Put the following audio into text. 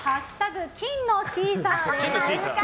「＃金のシーサー」です。